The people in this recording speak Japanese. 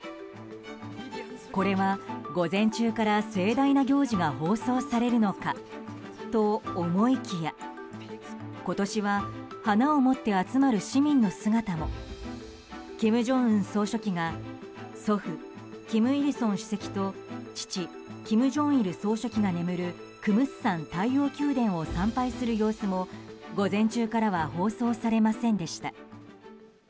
これは、午前中から盛大な行事が放送されるのかと思いきや今年は花を持って集まる市民の姿も金正恩総書記が祖父・金日成主席と父・金正日総書記が眠るクムスサン太陽宮殿を参拝する様子も午前中からは放送されませんでした。